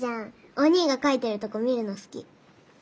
おにぃが描いてるとこ見るの好き。